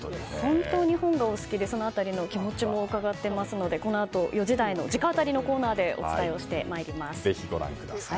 本当に本がお好きでその辺りの気持ちも伺っていますので４時台の直アタリのコーナーでお伝えしてまいります。